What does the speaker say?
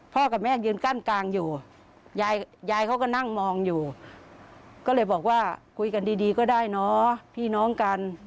กับแม่ยืนกั้นกลางอยู่ยายเขาก็นั่งมองอยู่ก็เลยบอกว่าคุยกันดีก็ได้เนอะพี่น้องกัน